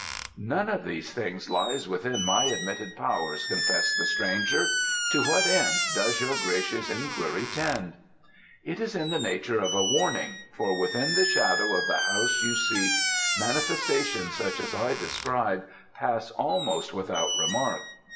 "None of these things lies within my admitted powers," confessed the stranger. "To what end does your gracious inquiry tend?" "It is in the nature of a warning, for within the shadow of the house you seek manifestations such as I describe pass almost without remark.